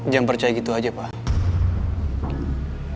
jangan percaya gitu aja pak